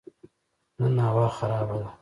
نن هوا خراب ده